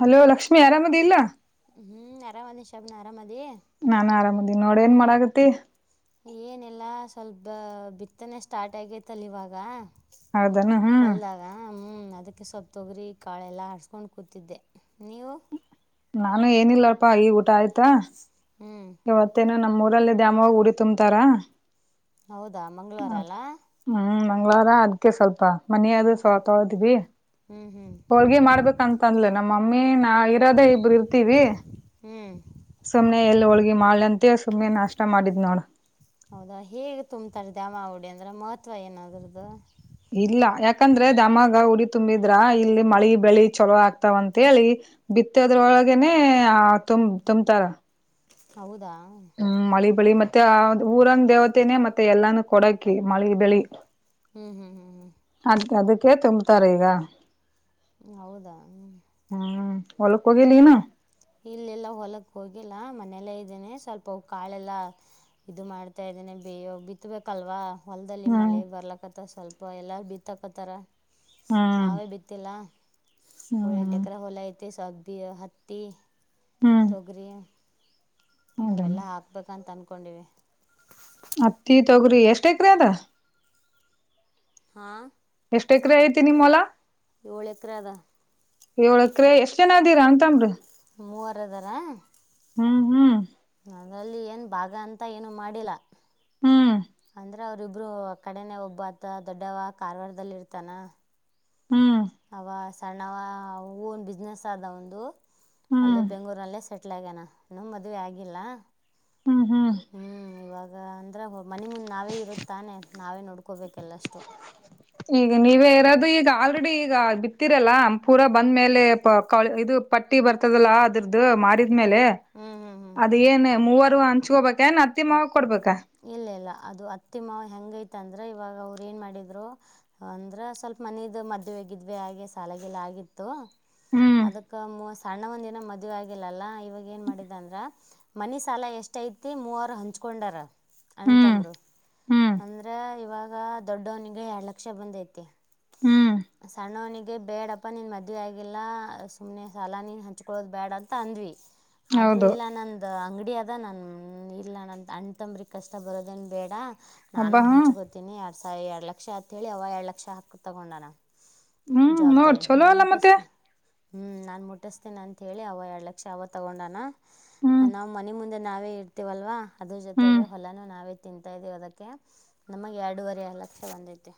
Hello Lakshmi ಆರಾಮದಿ ಇಲ್ಲ. ಹ್ಮ್ ಆರಾಮದಿ ಶಬನ ಆರಾಮದಿ ನಾನ್ ಆರಾಮದೀನಿ ನೋಡ್ ಏನ್ ಮಾಡಗತ್ತಿ. ಏನೆಲ್ಲಾ ಸ್ವಲ್ಪ ಬಿತ್ತನೆ ಸ್ಟಾರ್ಟ್ ಆಗೇತ್ತಲ್ಲ ಇವಾಗ ಹೌದಾನ ಹ್ಮ್ ಹೊಲ್ದಾಗ ಹ್ಮ್ ಅದಕ್ಕೆ ಸೋಪ್ ತ್ತೋಗ್ರಿ ಕಾಳೆಲ್ಲಾ ಹರ್ಸ್ಕೊಂಡ್ ಕೂತಿದ್ದೆ ನೀವು ನಾನು ಏನಿಲ್ಲಪ್ಪಾ ಈ ಊಟ ಆಯ್ತಾ. ಹ್ಮ್ ಇವತ್ತೇನ ನಮ್ಮ್ ಊರಲ್ಲಿ ದ್ಯಾಮವಾಗಿ ಉಡಿ ತುಂಬ್ತಾರಾ. ಹೌದಾ ಮಂಗ್ಗಳವಾರ ಅಲ್ಲಾ. ಮಂಗ್ಗಳಾರ ಅದಕ್ಕೆ ಸ್ವಲ್ಪ ಮನಯಾದ್ರು ಸೋಪ ತೊಳ್ದ್ವಿ ಹ್ಮ್ ಹ್ಮ್ ಹೋಳ್ಗೆಿ ಮಾಡ್ಬೇಕಂತ ಅಂದ್ಲೇನೋ ಮಮ್ಮೇ ನಾ ನಾ ಇರೋದೇ ಇಬ್ರು ಇರ್ತೀವಿ. ಹ್ಮ್ ಸುಮ್ನೆ ಎಲ್ಲಿ ಹೋಳ್ಗಿ ಮಾಡಂತ ಸುಮ್ನೆ ನಾಷ್ಟ ಮಾಡಿದ್ ನೋಡ. ಹೌದಾ ಹೇಗೆ ತುಂಬ್ತಾರೆ ದ್ಯಾಮ ಉಡಿ ಅಂದ್ರೆ ಮಹತ್ವ ಏನಾದ್ರುದ್ದು ಇಲ್ಲ ಯಾಕಂದ್ರೆ ದಾಮಗ ಉಡಿ ತುಂಬಿದ್ರ ಇಲ್ಲಿ ಮಳಿ ಬೆಳಿ ಚಲೋ ಆಗ್ತಾವಂತೇಳಿ ಬಿತ್ತದ್ರೊಳಗನೆೇ ತುಂಬ ತುಂಬತಾರ. ಹೌದಾ [inaudible] ಹ್ಮ್ ಮಳಿ. ಬಳಿ ಮತ್ತೆ ಊರನ್ ದೇವತೆನನೆ ಮತ್ತೆ ಎಲ್ಲಾನೂ ಕೊಡಕ್. ಮಳೆ ಬೆಳಿ ಹ್ಮ್ ಹ್ಮ್ ಹ್ಮ್ ಅದ ಅದಕ್ಕೆ. ಕೇ ತುಂಬತಾರ ಈಗ. ಹೌದಾ ಹ್ಮ್ [inaudible] ಹೊಲಕ್ಕೆ ಹೋಗಿಲ್ಲೆನ ಇಲ್ಲೆಲ್ಲ ಹೊಲಕ್ ಹೋಗಿಲ್ಲ ಮನೆಯಲ್ಲೇ ಇದ್ದೇನನೆ ಸ್ವಲ್ಪ ಕಾಳೆಲ್ಲ ಇದು ಮಾಡ್ತಾ ಇದ್ದೇನೆ ಬೇಯೋ ಬಿತ್ಬೇಕಲ್ವಾ. ಹೊಲದಲ್ಲಿ ಹ್ಮ್ ಮಳೆ ಬರ್ಲಕತ್ತ [inaudible] ಸ್ವಲ್ಪ ಎಲ್ಲಾ ಬಿತ್ತಾಕತಾರ ಹ್ಮ್ ನಾವೇ ಬಿತ್ತಿಲ್ಲ [unintelligible] ಹ್ಮ್ ಎಂಟಕ್ರ ಹೊಲ ಐತಿ ಸವ. [unintelligible] ಹತ್ತಿ ಹ್ಮ್ ತೊಗರಿ ಹೌದ ನಾವೆಲ್ಲಾ ಹಾಕ್ಬೇಕಂತ ತಂದ್ಕೊಂಡಿವಿ ಹತ್ತಿ ತೊಗ್ರಿ ಎಷ್ಟ ಏಕ್ರಿ ಅದ ಹಾ ಏಷ್ಟೆಕ್ರಯ ಐತೆ ನಿಮ್ ಹೊಲ ಏಳು ಎಕರೆ ಅದ ಏಳಕ್ರೆ ಎಷ್ಟ ಜನ್ ಅಡ್ಡಿರಾ ತಮ್ರ ಮೂವರದರ ಹ್ಮ್ ಹ್ಮ್ ಅದರಲ್ಲಿ ಏನ್ ಭಾಗ ಅಂತ ಏನು ಮಾಡಿಲ್ಲ ಹ್ಮ್ ಅವ್ರರಿಬ್ರು ಕಡೆನೆ ಒಬ್ಬ ಆತ ದೊಡ್ಡವ ಕಾರವಾರದಲ್ಲಿ ಇರ್ತಾನ ಹ್ಮ್ ಆವ ಸಣ್ಣವ ಹೂ ಒನ್ ಬಿಸ್ನೆಸ್ ಆದ ಅವೆಂದು ಅಲ್ಲಿೇ ಹ್ಮ್ ಬೆಂಗಳೂರಲ್ಲೇ ಸಟ್ಟೆಾರೆ ಇಟ್ಲಗನ ಈನೂ ಮದ್ವೆ ಆಗಿಲ್ಲ ಹ್ಮ್ ಹ್ಮ್ ಹ್ಞೂ ಇವಾಗ ಅಂದ್ರೆ ಮನೆಿ ಮುಂದ್ ನಾವೇ ಇರು ತಾನೆ ನಾವೇ ನೋಡ್ ಉಕೋಬೇಕಲ್ಲ ಅಷ್ಟು ದು ಈಗ ಆಲ್ರೆಡಿ ಈಗ ಬಿತ್ತಿರಲ್ಲ ಪೂರ ಬಂದ್ ಮೇಲೆ ಇದು ಪಟ್ಟಿ ಬರ್ತದಲ್ಲ ಅದ್ರದ್ದು ಮಾಡಿದ ್ಮೇಲೆ ಹ್ಞೂ ಹ್ಞೂ ಹ್ಞೂ ಅದ ಏನ್ ಮೂವತ್ತು ಹಂಚ್ಕೋಬೇಕೇನ್ ಅತ್ತಿಮಾವ ಇಲ್ಲ ಇಲ್ಲ ಅದು ಅತ್ತಿ ಮಾವ ಹೆಂಗೈತ ಅಂದ್ರ ಇವಾಗ ಅವ ಏನ್ ಮಾಡಿದ್ರು ಅಂದ್ರ ಸ್ವಲ್ಪ ಮನದ ಮದುವವೆಗಿದ್ವಿ ಹಾಗೆ ಸಾಲಗೆಲ್ಲ ಆಗಿತ್ತು ಹ್ಮ್ ಅದಕ್ಕ ಮೋ ಸಣ್ಣ ಒಂದು ದಿನ ಮದುವೆ ಆಗಿಲ್ಲಲ್ಲ ಇವಾಗ ಏನು ಮಾಡಿದೆ ಅಂದ್ರೆ ಮನೆ ಸಾಲ ಎಷ್ಟ ಐತಿ ಮೂವರು ಹಂಚ್ಕೊಂಡಾರ ಹ್ಮ್ ಅಣಂತಂಬರು ಹ್ಮ್ ಅಂದ್ರೆ ಇವಾಗ ದೊಡ್ಡವನಿಗೆ ಎರಡು ಲಕ್ಷ ಬಂದೈತಿ ಹ್ಮ್ ಸಣ್ಣವನಿಗೆ ಬೇಡಪ್ಪ ನೀನ್ ಮದುವೆ ಆಗಿ ಎಲ್ಲಾ ಸುಮ್ನೆ ಸಾಲಾನ ನೀನ್ ಹಂಚ್ಕೊಳ್ಳೋದ್ ಬ್ಯಾಡ ಅಂತ ಅಂದ್ವಿ ಆದ್ರೂ ಹೌದು ಇಲ್ಲ ನಂದ ಅಂಗಡಿ ಆದ ನನ್ ಇಲ್ಲ ನ ಅಂ ತಂಬ್ರ ಕಷ್ಟ ಬರೋದೇನ್ ಬೇಡ ಹಬ್ಬಾ ನಾನು ಹ ಹಂಚ್ಕೋತಿನಿ ಎರಡ್ ಸಾವಿರ ಎರಡ್ ಲಕ್ಕ ಲಕ್ಷ ಅಂತೇಳಿ ಅವ ಎರಡ್ ಲಕ್ಷ ಹಾಕ್ ತಗೊಂಡನ ಹ್ಮ್ ನೋಡ್ ಚಲೋ ಅಲ್ಲ ಮತ್ತೆ ಹ್ಮ್ ನಾನ್ ಮುಟ್ಟಿಸ್ತೇನ ಅಂತ ಹೇಳಿ ಅವ ಎರಡ್ ಲಕ್ಷ ಅವ ತಗೊಂಡನ ಹ್ಮ್ ನಾ್ ಮನೆ ಮುಂದೆ ನಾವೇ ಇರ್ತೀವಲ್ವಾ. ಅದ ಹ್ಮ್ ಜೊತೆಗೆ. ನಾವೇ ತಿಂತಾ ಇದ್ದೀವಿ ಅದಕ್ಕೆ ನಮಗೆ ಎರಡೂುವರೆ ಲಕ್ಷ ಬಂದೈತಿ.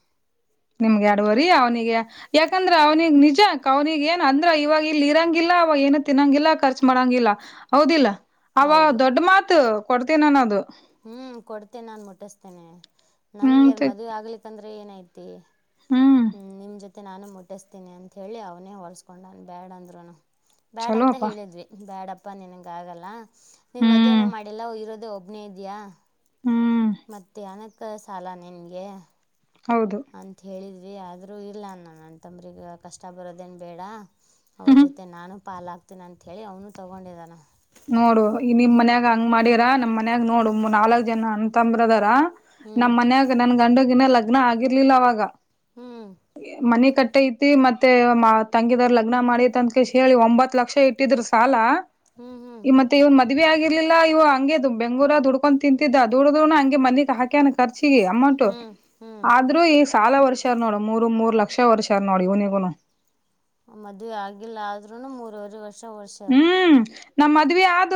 ನಿಮ್ಗೆ ಎಡುವರಿೀ ಅವ್ನಿಗೆ ಯಾಕಂದ್ರ ಅವ್ನಿಗೆಗ್ ನಿಜ ಅವ್ನಿಗೆ ಏನ್ ಅಂದ್ರ ಇವಾಗ ಇಲ್ಲಿ ಇರಂಗಿಲ್ಲ ಅವಾಗ ಏನು ತಿನ್ನಂಗಿಲ್ಲ ಖರ್ಚ ಮಾಡಂಗಿಲ್ಲ ಹೌದಿಲ್ಲ. ಅವ ಹೌದು ದೊಡ್ಡ ಮಾತು. ಕೊಡ್ತೇ ನಾನು ಅದು. ಹ್ಮ್ ಕೊಡ್ತೇನೆ ನಾನ್ ಮುಟ್ಟಿಸ್ತೇನೆ [inaudible] ನನ್ ಹ್ಮ್ ಯಾರ್ ಮದುವೆ ಆಗಲಿ ತಂದ [inaudible] ್ರ ಏನ್ ಐತಿ [inaudible] ಹ್ಮ್ ನಿಮ್ ಜೊತೆ [inaudible] ಮತ್ತೆ ನಾನು ಮುಟ್ಟಿಸ್ತೀನಿ ಅಂಂತೇಳಿ ಅವನೇ ಹೊಲಸ್ಕೊಂಡಾನು ಬ್ಯಾಡ ಅಂದ್ರ [inaudible] ಬ್ಯಾಡ ಅಂತ ಚಲೋಪಾ ಹೇಳಿದ್ವಿ ಬ್ಯಾಡ ಅ [inaudible] ಪ್ಪನ್ನಿನಗೆ ಆಗೆಲ್ಲಾ [inaudible] ನಿಮ್ ಹ್ಮ್ ಮದ್ೇನನು ಮಾಡಲ್ಲ ಇರೋದ ಹೋಗ [inaudible] [inaudible] ಇದಯಾ ಹ್ಮ್ [inaudible] ಮತ್ತೆ ಅನ [inaudible] ಸಾಲ ನಿನ್ಗೆ. ಹೌದು ಅಂತ ಹೇಳಿದ. ೀ ಆದ್ರೂ ಇಲ್ಲ ಅ ನನ್ನ ತಂಬ್ರಗ ಕಷ್ಟ ಬರೋದೇನು ಬೇಡ ಅವ್ರ ಹ್ಮ್ ಜೊತೆ ನಾನು ಪಾಾಲಾಗ್ತೀನ ಅಂತ ಹೇಳಿ ಅವನು ತಗೊಂಡಿದಾನ. ನೋಡು ಈ ನಿಮ್ ಮನ್ಯಾಗ ಹಂಗ್ ಮಾಡಿರ ನಮ್ ಮನ್ಯಾಗ ನೋಡು ಮೂ ನಾಲ್ಕ್ ಜನ ಅ ತಂಬ್ರದಾರ. ಹ್ಞೂ ನಮ್ಮ್ ಮನ್ಯಾಗ ನನ್ ಗಂಡಗಿನ. ಲಗ್ನ ಆಗಿರ್ಲಿಲ್ಲ ಅವಾಗ. ಹ್ಞೂ ಮನೆ ಕಟ್ಟ. ಐತಿ ಮತ್ತೆ ತಂಗಿದರ್ ಲಗ್ನ ಮಾಡಿತ್ ಅಂದ್ [unintelligible] ಹೇಳಿ ಒಂಬತ್ ಲಕ್ಷ ಇಟ್ಟಿದರು ಸಾಲ. ಹ್ಞೂ ಹ್ಞೂ ಈ ಮತ್ತೆ ಇವನ್ ಮದ್ವಿ ಆಗರ್ಲಿಲ್ಲ ಇವ. ಹಂಗಗೆದು ಬ ಬೆಂಗೂರ ದುಡ್ಕೊಂಡುಂತಿದ್ದ ದ ದುಡ್. ಹಂಗೆ ಮನಿ ಹಾಕ್ಯನಾ ಖರ್ಚಿಗೆ ಅಮೌಂಟ್ ಹ್ಞೂ ಹ್ಞೂ ಆದ್ರೂ ಈ. ಸಾಲ ವರ್ಷಾರ ನೋಡು ಮೂರು ಮೂರು ಲಕ್ಷ ವರ್ಷಾರ ನೋಡಿ ಇವನಿಗೋನು. ಮದ್ೆ ಆಗಿಲ್ಲ ಆದ್ೂನು ಮೂರವರೆ ವರ್ಷ ಓಡ್ಸ್ಯಾರ ಹ್ಮ್. ನಮ್ಮ್ ಮದ್ವಿ ಆದ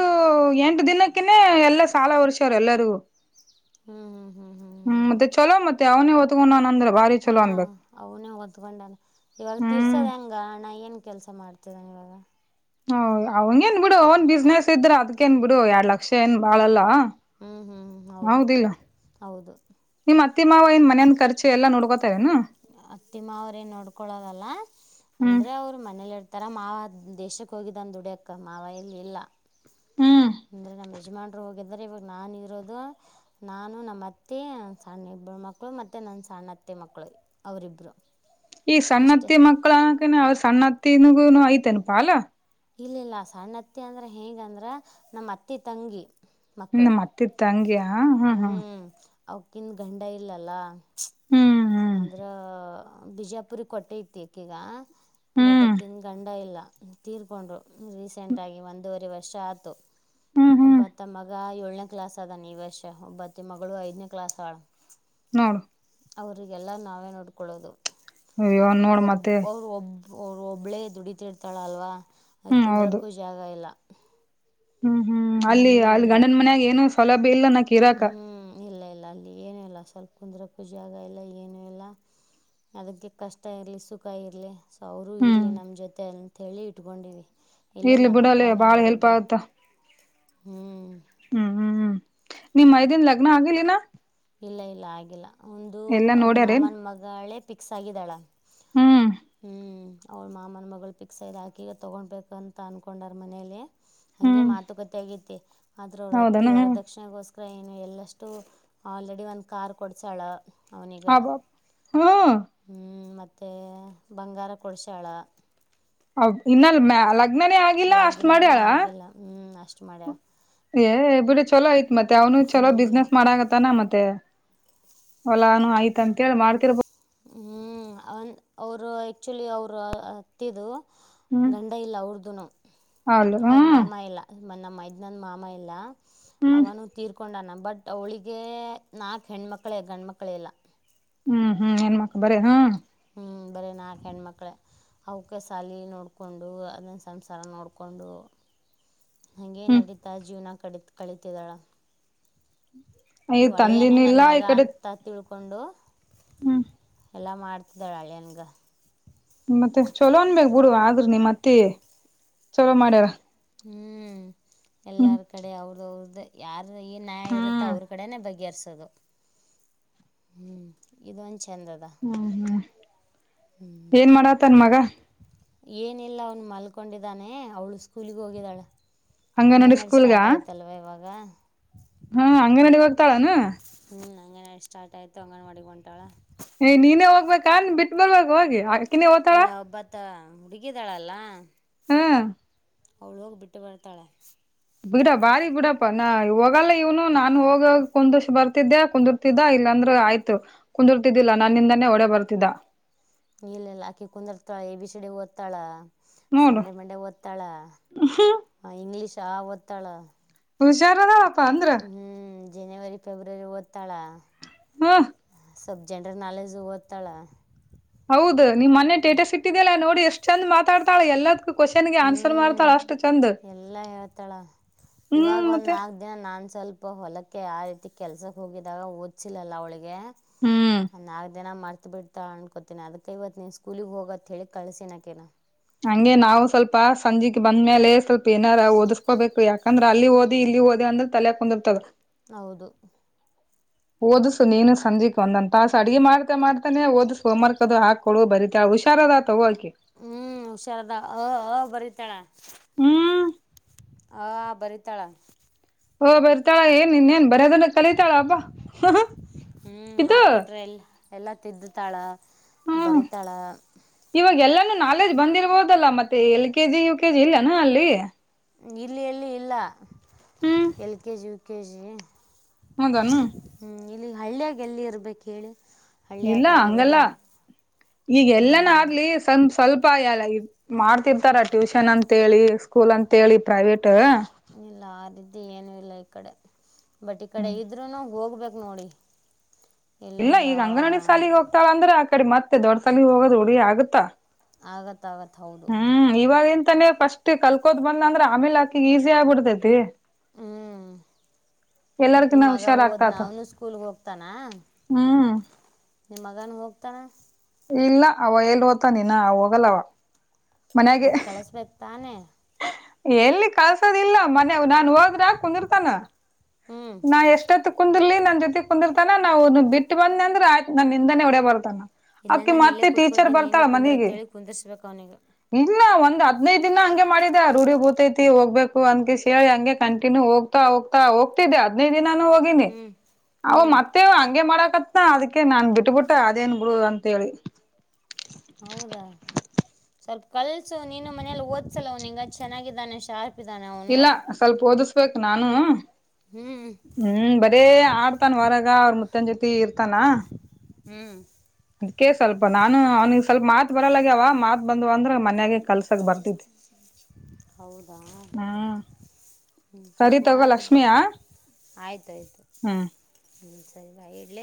ಎಂಟು ದಿನಕ್ಕಿನೇ ಎಲ್ಲ ಸಾಲ ಒರ್ಸ್ಯವ್ರ ಎಲ್ಲರಿಗೂ. ಹ್ಞೂ ಹ್ಞೂ ಹ್ಞೂ ಹ್ಞೂ ಹ್ಮ್ ಮತ್ತೆ ಚಲೋ ಮತ್ತೆ ಅವನ ಹೊ. [unintelligible] ಹಾ ಅವನೇ ಹೊದ್ಕೊಂಡಾನೆ ಇವಾಗ ಹ್ಮ್ ತೀರ್ಸೋದ ಹೆಂಗಣಾ ಏನ್ ಕೆಲ್ಸ ಮಾಡ್ತ ತಿದನೆ ಇವಾಗ ಹ ಅವಂಗ ಏನ್ ಬಿಡು ಅವನ್ ಬಿಸ್ನೆಸ್ ಇದ್ರ ಅದಕ ನ್ ಬಿಡು ಎರಡ್ ಲಕ್ಷ ಏನ್ ಬಾಳಲ್ಲ ಹ್ಞೂ ಹ್ಞೂ ಹ್ಞೂ ಹೌದು ಹೌದಿಲ್ಲ ಹೌದು ನಿಮ್ಮ್ ಅತ್ತಿ ಮಾವ ನ್ ಮನೆಯನ್ ಖರ್ಚೆ ಎಲ್ಲಾ ನೋಡ್ಕೋ [unintelligible] ಅತ್ತಿ ಮಾವ್ರೇನು ನೋಡ್ಕೊಳೋದಲ್ಲ ಹ್ಮ್ ಅಂದ್ರೆ ಅವ್ರು ಮನೇಲಿ ಇರ್ತಾರ ಮಾವ ದೇಶಕ್ಕೆ ಹೋಗಿದ್ದಂದು ದುಡ್ಯಕ್ಕ ಮಾವ ಇಲ್ಲಿ ಇಲ್ಲ ಹ್ಮ್ ಅಂದ್ರೆ ನಮ್ಮ ಯಜಮಾನ್ರು ಹೋಗ ಆದರೆ ಇವಾಗ ನಾನು ಇರೋದು ನಾನು ನಮ್ಮ ಅತ್ತೆ ಸಣ್ಣಿಬ್ಬರು ಮಕ್ಕಳು ಮತ್ತೆ ನನ್ನ ಸಣ್ಣ ಅತ್ತೆ ಮಕ್ಕಳು ಅವರಿಬ್ರು ಈ ಇಷ್ಟೇ ಸಣ್ಣತ್ತ ಮಕ್ಕಳ ಅವ ಸಣ್ಣ ಹತ್ತಿನಗುನು ಐತೆನ ಪ ಅಲ್ಲ ಇಲ್ಲ ಇಿಲ್ಲ ಸಣ್ಣ ಅತ್ತಿ ಅಂದ್ರ ಹೇಂಗ ಅಂದ್ರ ನಮ್ಮ್ ಅತ್ತಿ ತಂಗಿ ಮಕ್ಕಳು ನಮತ್ತಿ ತಂಗಿಯ ಹಾ ಹ್ಮ ಅವಕಿಂದು ಗಂಡ ಇಲ್ಲಲ್ಲ ಹ್ಮ್ ಹ್ಮ್ ಅಂದ್ರ ಬಿಜಾಪುರಿ ಕೊಟ್ಟೆತಿ ಈಕೆಗ ಹ್ಮ್ ಬಟಾಕನ್ ಗಂಡ ಇಲ್ಲ ತೀರ್ಕೊಂಡ್ರು ರೀಸೆಂಟ್ ಆಗಿ ಒಂದೂವರೆ ವರ್ಷ ಆತು ಹ್ಮ್ ಹ್ಮ್ ಒಬ್ಬತ್ತ ಮಗ ಏಳನೇ ಕ್ಲಾಸ್ ಅದಾನ ಈ ವರ್ಷ ಒಬ್ಬತ್ತೆ ಮಗಳು ಐದ್ನೇ ಕ್ಲಾಸ್ ಆಳ ನೋಡು ಅವ್ರರಿಗೆಲ್ಲ ನಾವೇ ನೋಡ್ಕೊಳ್ಳೋದು ಅಯ್ಯೋ ಅವಳು ನೋಡ್ ಒಬ್ಬ ಮತ್ತೆ. ಅವ್ರು ಒಬ್ಬ ಅವ್ರು ಒಬ್ಬಳೇ ದುಡಿತಿರ್ತಾಳಲ್ವ ಆ ಹ್ಮ್ ಹೌದು ಕುಂದ್ರಕ್ಕೂ ಜಾಗ ಇಲ್ಲ ಹ್ಮ್ ಹ್ಮ್ ಅಲ್ಲಿ ಮನೆಯೂ ಅಲ್ಲಿ ಇಲ್ಲ ಗಂಡನ ಮನ್ಯಾಗ ಏನು ಸೌಲಭ್ಯ ಇಲ್ಲ ನಾ ಇರಕ ಹ್ಞೂ ಇಲ್ಲ ಇಲ್ಲ ಅಲ್ಲಿ ಏನುೂ ಇಲ್ಲ ಸ್ವಲ್ಪ ಕುಂದ್ರಕ್ಕ ಜಾಗ ಇಲ್ಲ ಏನು ಇಲ್ಲ ಅದಕ್ಕೆ ಕಷ್ಟ ಇರಲಿ ಸುಖ ಇರಲಿ ಅವರು ಹ್ಮ್ ಇರ್ಲಿ ನಮ ಜೊತೆ ಅಂತ ಹೇಳಿ ಇಟ್ಕೊಂಡಿವಿ ಇಲ್ಲ ಇರ್ಲಿ ನನ್ನ ಬಿಡಲೆ ಹತ್ರನೇ ಬಾಳ್ ಆದದಾರ ಹೆಲ್ಪ್ ಇಬ್ಬರು ಆಗತ್ತ ಹ್ಮ್ ಹ್ಮ್ ಹ್ಮ್ ಹ್ಮ್ ನಿಮ್ ಮೈದನ್ ಲಗ್ನ ಆಗಲಿನ [inaudible] ಇಲ್ಲ ಇಲ್ಲ ಆಗಿಲ್ಲ ಒಂದು ಅವ್ರ ನೋಡ್ಯಾರೇನ್ ಮಾಮನ ಮಗಳೇ ಫಿಕ್ಸ್ ಆಗಿದ್ದಾಳ ಹ್ಮ್ ಹ್ಮ್ ಅವ್ಳ ಮಾಮನ ಮಗಳು ಪಿಕ್ ಸೈದು ಹಾಕಿಗೆ ತೊಗೊಬೇಕು ಅಂತ ಅಂದ್ಕೊಂಡಾರ ಮನೇಲಿ ಹಂಗೆ ಹ್ಮ್ ಮಾತುಕತೆ ಆಗೈತಿ ಆದ್ರ ಅವರ ಅತ್ತಿ ಹೌದನ ಹ್ಮ್ ವರದಕ್ಷಿಣೆಗೋಸ್ಕರ ಕ್ರೈನು ಎಲ್ಲಷ್ಟು ಆಲ್ರೆಡಿ ಒಂದ್ ಕಾರ್ ಕೊಡ್ಸಾಳ ಅವನಿಗೆ ಅಬ ಹ್ಮ್ ಹ್ಮ್ ಮತ್ತೆ ಮತ್ತೆ ಬಂಗಾರ ಕೊಡ್ಸಿಯಾಳ ಇನ್ನಲ್ ಅ ಲಗ್ನ ಲಗ್ನನೇ ಆಗಿಲ್ಲ ಅಷ್ಟ ಲಗ್ನನೇ ಮಾಡ್ಯಾಳ ಆಗಿಲ್ಲ ಹ್ಞೂ ಅಷ್ಟು ಮಾಡ್ಯಾಳ ಬಿ ಚಲೋ ಆಯ್ತು ಮತ್ತೆ ಅವ್ನು ಚಲೋ ಹ್ಞೂ ಬಿಜಿನೆಸ್ ಮಾಡಕತ್ತಾನ ಮತ್ತೆ ಮತ್ತೆ ಹೊಲಾನು ಆಯ್ತ ಅಂತೇಳಿ ಮಾಡ್ತಿರ್ಬ ಹ್ಮ್ ಅವರು ಆಕ್ಚುಲಿ ಅವರು ಹತ್ತಿದು ಹ್ಮ್ ಗಂಡ ಇಲ್ಲ ಅವ್ರ್ದನ ಹೌದು ಅವ್ರ ಹ್ಮ್ ಮಾಮ ಇಲ್ಲ ಮ ನಮ್ಮ ಮೈದ ನಂದು ಮಾಮ ಇಲ್ಲಾ ಹ್ಮ್ ಅವನು ತೀರ್ಕೊಂಡ ನಮ್ಮ ಬಟ್ ಅವಳಿಗೆ ನಾಲ್ಕು ಹೆಣ್ಮಕ್ಳೇ ಗಂಡ ಮಕ್ಕಳಿಲ್ಲ ಹ್ಮ್ ಹ್ಮ್ ಹೆಣ್ಣ ಮಕ್ ಬರ ಹಾ ಹೂ ಬರೀ ನಾಲ್ಕು ಹೆಣಮಕ್ಳೇ ಅವಕ್ಕೆ ಸಾಲಿ ನೋಡಿಕೊಂಡು ಅದನ್ನು ಸಂಸಾರ ನೋಡಿಕೊಂಡು ಹಂಗಗೆ ಹ್ಮ್ ನಡೀತಾ ಜೀವನಕ್ ಕಡಿ ಕಳಿತಿದ್ದಾಳ ಈ ಹಳಿಯಾನೇ ತಂದಿನ ನನ್ ಇಲ್ಲ ಮಗ ಈ ಕಡೆ ಅಂತ ತಿಳ್ಕೊ ಪಕೊಂಡ ಹ್ಮ್ ಎಲ್ಲ ಮಾಡ್ತಿದ್ದಾಳೆ ಹಳಿನ್ಗೆ ಮತ್ತೆ ಚಲೋ ಅಂದ ಬೇಕ್ ಬಿಡುವ ಆದ್ರ ನಿಮ ಅತ್ತಿ ಚಲೋ ಮಾಡ್ಯಾರ ಹ್ಮ್ ಹ್ಮ್ ಎಲ್ಲಾರ್ ಕಡೆ ಅವ್ರದ ಅವ್ರದ್ದ ಯಾರು ಈ ನ್ಯಾಯ ಇರುತ್ತೆ ಹ್ಮ್ ಅವ್ರ ಕಡೆನೆ ಬಗೆಹರ್ಸ ಹ್ಮ ಇದು ಹಂದದ ಹ್ಮ್ ಹ್ಮ್ ಏನ್ ಮಾಡಾತನ್ ಮಗ ಏನಿಲ್ಲ ಅವ್ನು ಮಲ್ಕೊಂಡಿದ್ದಾನೆ ಅವಳು ಸ್ಕೂಲ್ಗ ಹೋಗಿದಾಳ ಅಂಗನವಾಡಿ ಸ್ಟಾರ್ಟ್ ಆಯ್ತಲ್ವಾ ಇವಾಗ ಹಾ ಹಂಗೆ ನಡಿ ಹೋಗ್ತಾಳಾನ ಹ್ಮ್ಮ್ ಅಂಗನವಾಡಿ ಸ್ಟಾರ್ಟ್ ಆಯಿತು ಅಂಗನವಾಡಿ ಹೊಂಟಾಳ ಏಯ್ ನೀನೇ ಹೋಗ್ಬೇಕಾ ಬಿಟ್ಟ ಬರ್ಬೇಕು ಹೋಗಿ ಓತಾಳ ಇಲ್ಲ ಒಬ್ಬತ್ತ ಅಂಬಿಗಿ ಅದಾಳಅಲ್ಲ ಹಾ ಅವಳು ಹೋಗಿ ಬಿಟ್ಟು ಬರ್ತಾಳೆ ಬಿಡ ಬಾರಿ ಬಿಡಪ್ಪ ನ ಹೋಗಲ್ಲ ಇವ್ನು ನಾನು ಹೋಗ ಕುಂದ ಬರ್ತಿದ್ದೆ ಕುಂದಿರ್ತಿದ್ದ ಇಲ್ಲಾಂದ್ರ ಆಯ್ತು ಕುಂದಿರ್ತಿದ್ದಿಲ್ಲಾ ನನ್ನಿಂದಾನೇ ಓಡೆ ಬರ್ತಿದ್ದ ಇಲ್ಲಲ್ಲ ಆಕಿ ಕುಂದಿರ್ತಾಳೆ ಅಬ್ಚ್ಡ್ ಓದ್ತಾಳ ನೋಡು ಸಂಡೆ ಮಂಡೆ ಒತ್ತಳ ಇಂಗ್ಲಿಷ್ ಚಾಒತಾಳ ಹುಷಾರದಳ ಹಪ್ಪ ಅಂದ್ರ [unintelligible] ಜನವರಿ ಫೆಬ್ರವರಿ ಓದ್ತ್ತಾಳ ಹ್ಮ್ ಸಬ್ ಜನರಲ್ ನಾಲೆಜ್ ಓತಾಳ ಹೌದು ನೀ ಮೊನ್ನೆ ಸ್ಟೇಟಸ್ ಇಟ್ಟಿ ಅಲಾ ನೋಡಿನಿ ಎಷ್ಟ ಚಂದ ಮಾತಾಡ್ತಳ ಎಲ್ಲದ ಹ್ಮ್ ಎಲ್ಲಾ ಹೇಳ್ತಾಳ ಇವಾಗ ಹ್ಮ್ ಒಂದ್ ಮತ್ತೆ ನಾಲ್ಕ್ ದಿನ ನಾನ್ ಸ್ವಲ್ಪ ಹೊಲಕ್ಕೆ ಆಯ್ತು ಕೆಲ್ಸಕ್ ಹೋಗಿದಾಗ ಓದಸಿಲ ಅವಳಿಗೆ ಹ್ಮ್ ಏ ನಾಲ್ಕು ದಿನ ಮಾಡ್ತೀನಿ ಅತ ಬಿಡ್ತಾ ಅನ್ಕೋತೇನೆ ಅದಕ್ಕೈ ಇವತ್ ನೀನ್ ಸ್ಕೂಲಿಗೆ ಹೋಗತ್ ಹೇಳಿ ಕಳ್ಸಿನಕೇನಾ ಅಕಿನ ಹಂಗೆ ನಾವು ಸ್ವಲ್ಪ ಸಂಜೆೆಗೆ ಬಂದ್ಮೇಲೆ ಸ್ವಲ್ಪ ಏನಾರ ಓದ್ಕೋಬೇಕು ಯಾಕಂದ್ರೆ ಅಲ್ಲಿ ಓದಿ ಇಲ್ಲಿ ಓದಿ ಅಂದ್ರೆ ತಲೆ ಕುಂದಿರ್ತದ ಹೌದು ಓದ್ಸು ನೀನು ಸಂಜೆ ಒಂದಂದ ತಾಸ ಅಡ್ಗೆಿ ಮಾಡ್ತೆ ಮಾಡ್ತಾನನೆ ಓದ್ ಹೋಮವರ್ಕ್ ಅದು ಹಾಕ ಕೊಡು ಬರೀತಾಳ ಅಕಿ ಹುಷಾರ ಅದಾಳ ತಗೋ ಅಕಿ ಕೆ ಶಾರದ ಅ ಅ ಬರೀತಾಳ. ಹ್ಮ್ ಅ ಆ ಬರಿತಳ ಹ ಬರಿತಾಳ ಏನ್ ಇನ್ನೇನ್ ಬರದನ್ನ ಕಲೀತಾಳ ಅಬ್ಬಾ ಹ ಹ ಇದು ಎಲ್ಲಾ ತಿದ್ದತಾಳ ಬರಿತಾಳ ಹೂ ನಾಲೆಜ್ ಬಂದಿರ್ಬೋದಲ್ಲಾ ಮತ್ತೆ L K G U K G ಇಲ್ಲನಾ ಅಲ್ಲಿ? ಇಲ್ ಎಲ್ಲಿ ಇಲ್ಲ L K G U K G. ಹೌದಾನ್ ಇಲ್ಲಿ ಹಳ್ಳಿಯಾಗ ಎಲ್ಲಿ ಇರ್ಬೇಕ್ ಹೇಳಿ. ಇಲ್ಲ ಹಳ್ಳಿಯಾಗ ಹಂಗಲ್ಲ ಇರೋದೇ ಈಗ್ ಎಲ್ಲಾನ ಅಂಗನವಾಡಿ ಆಗ್ಲಿ ಸಂಸ್ ಸ್ವಲ್ಪ ಎಲ್ಲ ಮಾಡ್ತಿರ್ತಾರ ಟ್ಯೂಷನ್ ಅಂತೇಳಿ ಸ್ಕೂಲ್ ಅಂತೇಳಿ ಪ್ರೈವೇಟ್ ಇಲ್ಲ ಆ ರೀತಿ ಏನು ಇಲ್ಲ ಈ ಕಡೆ ಬಟ್ ಈ ಕಡೆ ಇದ್ರುನು ಹೋಗ್ಬೇಕ್ ನೋಡಿ. ಇಲ್ಲ ಇಲ್ಲಿಂದ ಈಗ ಅಂಗನವಾಡಿ ಸಾಲಿಗೆ ಹೋಗ್ತಾಳಂದ್ರ ಅ ಕಡೆ ಮತ್ತೆ ದೊಡ್ ಸಾಲಿಗ್ ಹೋಗೋದು ರೂಢಿ ಆಗುತ್ತಾ. ಆಗ ಆಗತ್ತ್ ಹೌದು. ತಾನೆ ಫಸ್ಟ್ ಕಲ್ಕೋದ ಬಂದ ಅಂದ್ರೆ ಆಮೇಲ್ ಅಕಿಗೆ ಈಸಿ ಆಗ್ಬಿಡ್ತೈತಿ. ಹ್ಮ್ ಎಲ್ಲರ್ಕಿನ್ನ ನಿಮ್ಮಗ ಹುಷಾರ್ ಹೋದ್ನಾ ಆಗ್ತಾತ ಅವನು ಸ್ಕೂಲ್ಗೆ ಹೋಗ್ತಾನ? ಹ್ಮ್ ನಿಮ್ಮ ಮಗನು ಹೋಗ್ತಾನ? ಇಲ್ಲ ಅವ ಎಲ್ಲಿ ಹೋತ್ತಾನ್ ಇನ ಹೋಗಲ್ಲವ. ಮನ್ಯಾಗೆ ಮತ್ತ್ ಕಳಸ್ಬೇಕು ತಾನೆ ಎಲ್ಲಿ ಕಳ್ಸೊದಿಲ್ಲ ಮನೆ ನಾನ್ ಹೋದ್ರ ಕುಂದುರ್ತಾನ ಹ್ಞೂ ನಾ ಎಷ್ಟತ್ ಕುಂದಿರ್ಲಿ ನನ್ ಜೊತೆ ಕುಂದಿರ್ತ್ ತನ ನಾವು ಬಿಟ್ಟ ಬಂದ್ನೆ ಅಂದ್ರೆ ಅಯ್ತು ನನ್ ಹಿಂದೆನೆ ಒಡೇ ಬರ್ತಾನ. ಇಲ್ಲ ಅಕಿ ನಾನು ಇಲ್ಲೇ ಮತ್ತೆ ಟೀಚರ್ ಕೂತ್ಕೋತೀನಿ ನೀನು ಬರ್ತಾಳ ಮನಿಗೆ ಕುಂದರಂತೇಳಿ ಕುಂದರ್ಸ್ ಬೇಕು ಅವನಿಗೆ. ಇಲ್ಲ ಒಂದ್ ಹದ್ನೈದು ದಿನ ಹಂಗೆ ಮಾಡಿದೆ ಆ ರೂಢಿ ಬೂತೈತಿ ಹೋಗ್ಬೇಕು ಅಂದ್ ಕೇಸ್ ಹೇಳಿ ಹಂಗೆ ಕಂಟಿನ್ಯೂ ಹೋಗ್ತಾ ಹೋಗ್ತಾ ಹೋಗ್ ತಿದ್ದೆ ಹದಿನೈದನೆ ನಾನು ಹೋಗೀನಿ ಹ್ಞೂ ಅವ ಹ್ಞೂ ಮತ್ತೆ ಹಂಗೆ ಮಾಡ ಅದಿಕ್ಕೆ ನಾನ್ ಬಿಟ್ಬಿಟ್ಟೆ ಅದೇನ್ ಬಿಡು ಅಂತ ಹೇಳಿ. ಹೌದಾ ಸ್ವಲ್ಪ ಕಲ್ಸು ನೀನು ಮನೇಲಿ ಓದ್ಸಲ ಅವನಿಗ್ ಚೆನ್ನಾಗಿದ್ದಾನೆ ಶಾರ್ಪ್ ಇದ್ದಾನೆ ಅವನು ಇಲ್ಲ ಸ್ವಲ್ಪ ಓದಿಸ್ಬೇಕು ನಾನುನು ಹ್ಮ್ ಹ್ಮ್ ಬರೇ ಆಡ್ತನ್ ವರಾಗ ಅವ್ರ ಮ ಸಂಜೆ ಹೊತ್ತಿಗ್ ಇರ್ತಾನ. ಹ್ಮ್ ಅದಕ್ಕೇ ಸ್ವಲ್ಪ ನಾನು ಅವ್ನಿಗೆ ಸ್ವಲ್ಪ ಮಾತ್ ಬರಲ್ಲಗ್ಯಾವ ಮಾತ್ ಬಂದವ ಅಂದ್ರೆ ಮತ್ [unintelligible] ಹೌದಾ ಹ ಹಾ ಸ್ವಲ್ಪ ಸರಿ ತಗೋ ಮಾತ್ ಲಕ್ಷ್ಮಿಯ ಆಯ್ತುಾಯ್ತು ಹ್ಮ್ ಹ್ಞ ಸರಿ ಬಾಯ ಇಡ್ಲ